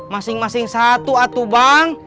masing masing satu atu bang